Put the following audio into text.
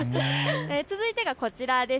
続いてはこちらです。